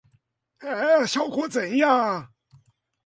效果怎樣